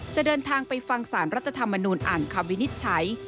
จะเดินทางไปฟังสารรัฐธรรมนูญอ่านคำวินิจฉัย